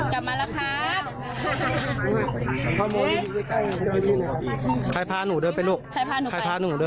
เดินคนเดียวเหรอ